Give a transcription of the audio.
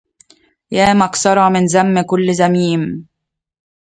يا مكثرا من ذم كل ذميم